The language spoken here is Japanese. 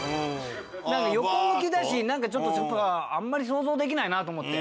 横向きだしなんかちょっとあんまり想像できないなと思って。